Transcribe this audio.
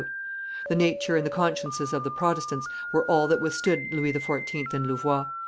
The nature and the consciences of the Protestants were all that withstood Louis XIV. and Louvois.